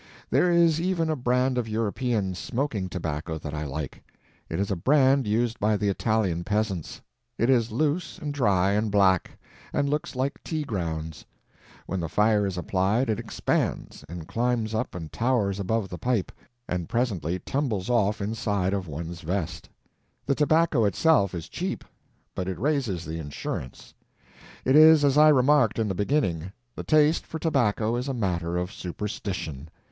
There is even a brand of European smoking tobacco that I like. It is a brand used by the Italian peasants. It is loose and dry and black, and looks like tea grounds. When the fire is applied it expands, and climbs up and towers above the pipe, and presently tumbles off inside of one's vest. The tobacco itself is cheap, but it raises the insurance. It is as I remarked in the beginning—the taste for tobacco is a matter of superstition.